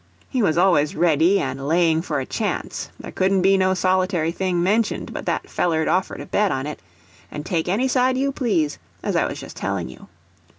He was always ready and laying for a chance; there couldn't be no solit'ry thing mentioned but that feller'd offer to bet on it, and take any side you please, as I was just telling you.